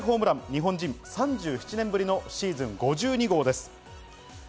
日本人３７年ぶりのシーズン５２号です。